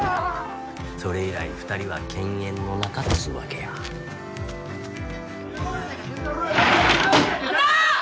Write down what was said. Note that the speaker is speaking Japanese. それ以来２人は犬猿の仲っつうわけや。あんた！